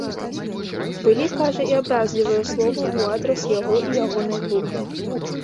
Былі, кажа, і абразлівыя словы ў адрас яго і ягонай групы.